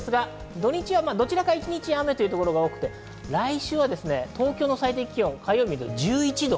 土・日はどちらか一日雨の所が多くて、来週は東京の最低気温、火曜日で１１度。